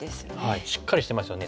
しっかりしてますよね。